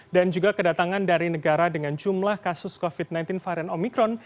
dan juga kedatangan dari negara dengan jumlah kasus covid sembilan belas varian omikron